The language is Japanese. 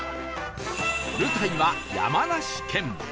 舞台は山梨県